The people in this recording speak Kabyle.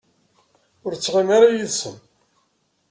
Ur ttɣimi ara yid-sen.